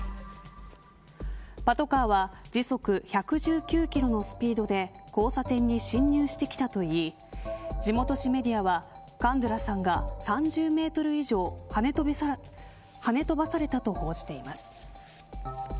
パトカーは時速１１９キロのスピードで交差点に進入してきたといい地元紙メディアはカンドゥラさんが３０メートル以上はね飛ばされたと報じています。